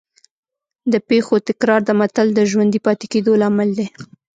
د پېښو تکرار د متل د ژوندي پاتې کېدو لامل دی